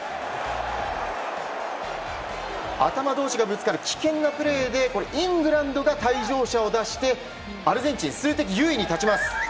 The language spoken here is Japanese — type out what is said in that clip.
頭同士がぶつかる危険なプレーでイングランドが退場者を出してアルゼンチン数的優位に立ちます。